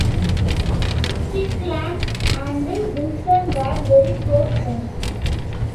Strickland and Wilson were very close friends.